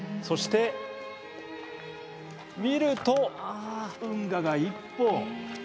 そして、見ると運河が１本。